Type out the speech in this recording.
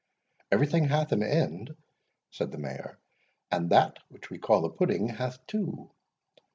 "Every thing hath an end," said the Mayor, "and that which we call a pudding hath two.